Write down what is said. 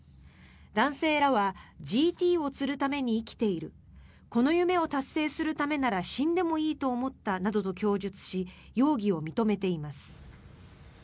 男性らはＧＴを釣るために生きているこの夢を達成するためなら死んでもいいと思ったなどと供述し容疑を認めています。